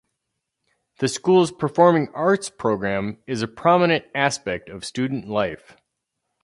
The school's performing arts program is a prominent aspect of student life.